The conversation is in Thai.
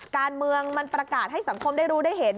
การเมืองมันประกาศให้สังคมได้รู้ได้เห็น